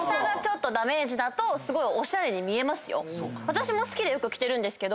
私も好きで着てるんですけど。